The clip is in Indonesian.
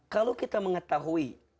kalau kita mengetahui